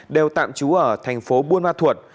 đều tạm trú ở thành phố buôn ma thuột